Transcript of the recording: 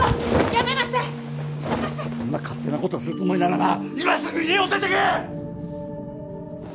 やめなさいっそんな勝手なことをするつもりならな今すぐ家を出てけ！